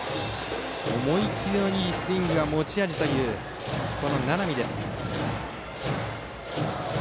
思い切りのいいスイングが持ち味という名波。